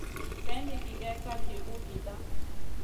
Kaïn mi gigè kalgi uhgida.